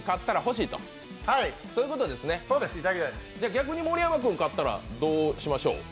逆に盛山君が勝ったらどうしましょう。